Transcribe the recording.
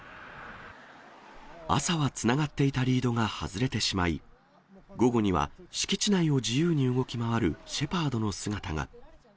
朝はつながっていたリードが外れてしまい、午後には敷地内を自由に動き回るシェパードの姿が。